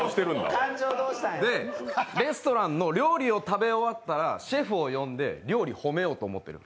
で、レストランの料理を食べ終わったら、シェフを呼んで料理褒めようと思ってる。